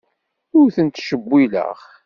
Ur tent-ttcewwileɣ.